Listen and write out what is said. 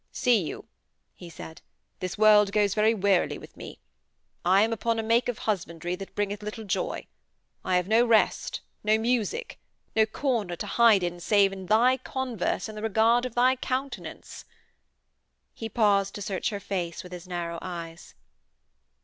'See you,' he said. 'This world goes very wearily with me. I am upon a make of husbandry that bringeth little joy. I have no rest, no music, no corner to hide in save in thy converse and the regard of thy countenance.' He paused to search her face with his narrow eyes.